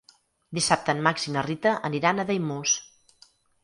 Dissabte en Max i na Rita aniran a Daimús.